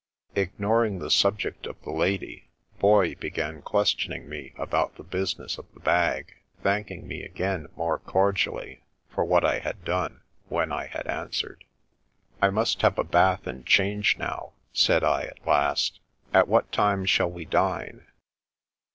Ignoring the subject of the lady. Boy bqgan ques tioning me about the business of the bag, thanking me again more cordially for what I had done, when I had answered. " I must have a bath and change now," said I at last. " At what time shall we dine